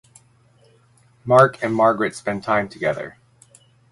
Mark and Margaret spend time together.